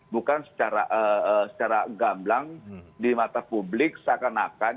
bukan secara gamblang di mata publik seakan akan